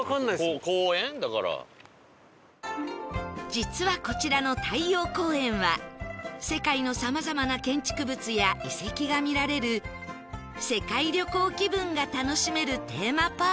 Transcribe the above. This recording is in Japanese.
実はこちらの太陽公園は世界のさまざまな建築物や遺跡が見られる世界旅行気分が楽しめるテーマパーク